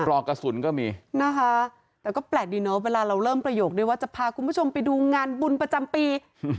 รอกระสุนก็มีนะคะแต่ก็แปลกดีเนอะเวลาเราเริ่มประโยคด้วยว่าจะพาคุณผู้ชมไปดูงานบุญประจำปี